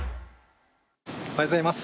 おはようございます。